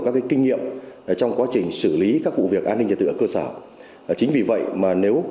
các kinh nghiệm trong quá trình xử lý các vụ việc an ninh nhà tự ở cơ sở chính vì vậy mà nếu